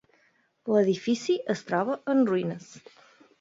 L'edifici es troba en ruïnes.